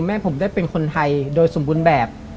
แม่ผมได้เป็นคนไทยโดยสมบูรณ์แบบ